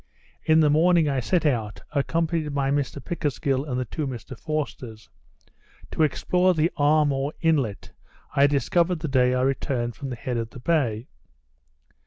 In the morning I set out, accompanied by Mr Pickersgill and the two Mr Forsters, to explore the arm or inlet I discovered the day I returned from the head of the bay.